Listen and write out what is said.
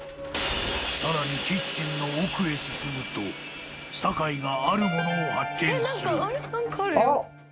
さらにキッチンの奥へ進むと酒井があるものを発見するあっ！